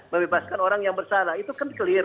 membebaskan orang yang bersalah itu kan clear